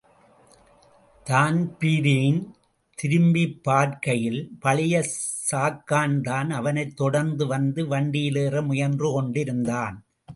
Dan Breen திரும்பிப்பார்க்கையில் பழைய சாக்கன்தான் அவனைத் தொடர்ந்து வந்து வண்டியிலேற முயன்று கொண்டிருந்தான்.